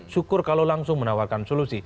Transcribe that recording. syukur kalau langsung menawarkan solusi